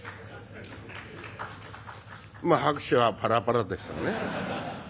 まあ拍手はパラパラでしたね。